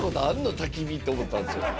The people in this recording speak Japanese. たき火って思ったんですよ。